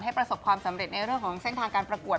ประสบความสำเร็จในเรื่องของเส้นทางการประกวด